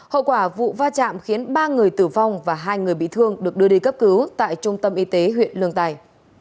hậu quả vụ va chạm khiến ba người tử vong và hai người bị thương được đưa đi cấp cứu tại trung tâm y tế huyện lương tài